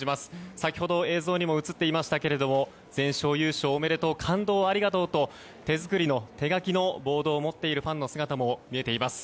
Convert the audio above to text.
先ほど映像にも映っていましたが全勝優勝おめでとう感動ありがとう！と手作りの、手書きのボードを持っているファンの姿も見えています。